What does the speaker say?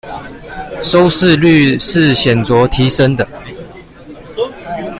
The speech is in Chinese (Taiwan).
收視率是顯著提升的